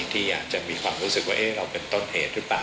ที่อาจจะมีความรู้สึกว่าเราเป็นต้นเหตุหรือเปล่า